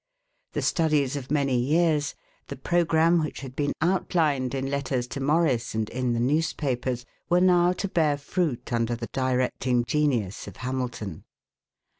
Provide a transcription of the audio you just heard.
The studies of many years, the programme which had been outlined in letters to Morris and in the newspapers, were now to bear fruit under the directing genius of Hamilton.